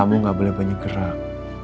kamu gak boleh banyak gerak